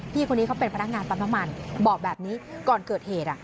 พี่คนนี้เขาเป็นพนักงานปั๊มน้ำมันบอกแบบนี้ก่อนเกิดเหตุ